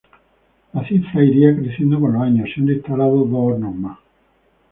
La cifra iría creciendo con los años siendo instalados dos hornos más.